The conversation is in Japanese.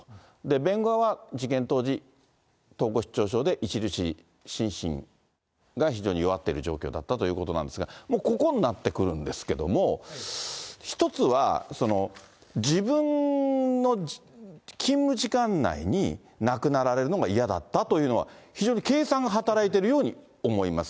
弁護側は、事件当時、統合失調症で著しい、心神が非常に弱っている状況だったということなんですが、もう、ここになってくるんですけども、一つは、自分の勤務時間内に亡くなられるのが嫌だったというのは、非常に計算が働いてるように思います。